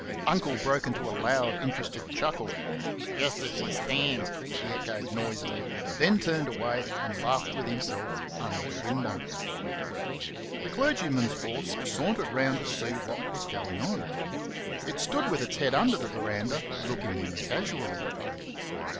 Uncle broke into a loud interested chuckle. "Just as she stands!" he echoed noisily, then turned away and laughed with himself under the window. The clergyman's horse sauntered round to see what was going on. It stood with its head under the verandah, looking in casually.